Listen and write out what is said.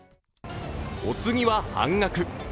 お次は半額。